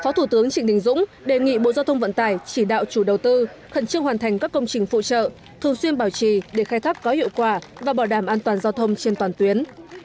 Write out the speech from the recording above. phó thủ tướng trịnh đình dũng đề nghị bộ giao thông vận tải chỉ đạo chủ đầu tư khẩn trương hoàn thành các công trình phụ trợ thường xuyên bảo trì để khai thác có hiệu quả và bảo đảm an toàn giao thông trên toàn tuyến